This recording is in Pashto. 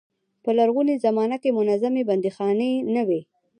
په لرغونې زمانه کې منظمې بندیخانې نه وې.